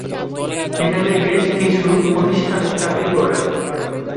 সেখানে বেশ কিছু প্রতিষ্ঠানে চাকরি করেন।